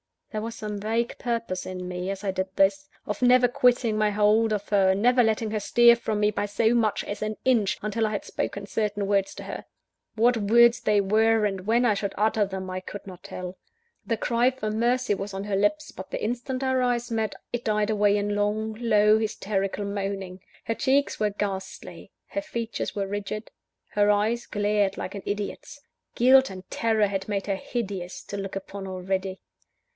There was some vague purpose in me, as I did this, of never quitting my hold of her, never letting her stir from me by so much as an inch, until I had spoken certain words to her. What words they were, and when I should utter them, I could not tell. The cry for mercy was on her lips, but the instant our eyes met, it died away in long, low, hysterical moanings. Her cheeks were ghastly, her features were rigid, her eyes glared like an idiot's; guilt and terror had made her hideous to look upon already.